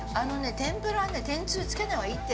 天ぷらはね天つゆつけない方がいいって。